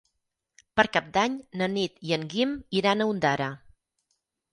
Per Cap d'Any na Nit i en Guim iran a Ondara.